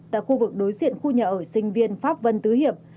tại khu vực đối diện khu nhà ở sinh viên pháp vân tứ hiệp